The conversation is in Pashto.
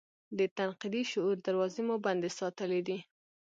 د تنقیدي شعور دراوزې مو بندې ساتلي دي.